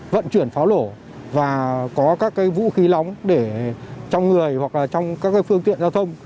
vận chuyển pháo lổ và có các vũ khí nóng để trong người hoặc là trong các phương tiện giao thông